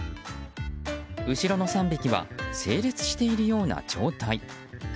後ろの３匹は整列しているような状態。